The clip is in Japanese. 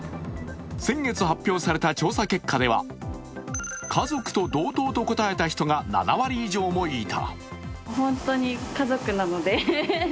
先月発表された調査結果では、家族と同等と答えた人が７割以上もいた。